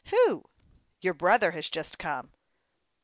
" Who ?"" Your brother has just come."